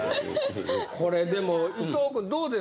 これでも伊藤くんどうですか？